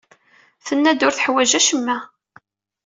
Tenna-d ur teḥwaj acemma.